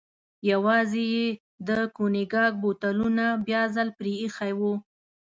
یوازې یې د کونیګاک بوتلونه بیا ځل پرې ایښي و.